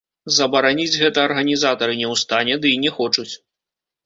Забараніць гэта арганізатары не ў стане, ды й не хочуць.